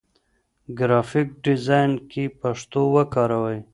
ګرافيک ډيزاين کې پښتو وکاروئ.